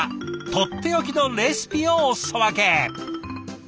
とっておきのレシピをお裾分け。